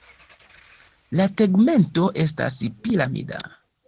La tegmento estas piramida.